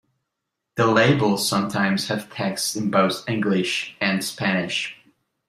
The labels sometimes have text in both English and Spanish.